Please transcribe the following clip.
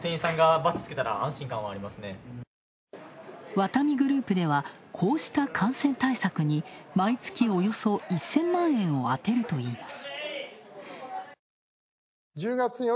ワタミグループでは、こうした感染対策に毎月およそ１０００万円を充てるといいます。